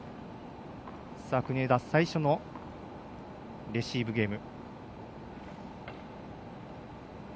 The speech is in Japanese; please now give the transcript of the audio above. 国枝、最初のレシーブゲーム。